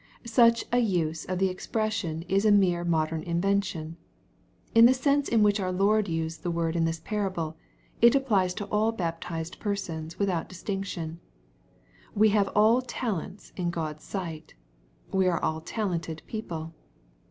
Such an use of the expression is a mere modern invention. In the sense in which our Lord used the word in this parable, it applies to all baptized persons without distinction. We have all talents in God's sight. We are all talented people.